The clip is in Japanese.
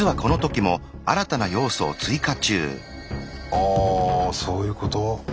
ああそういうこと？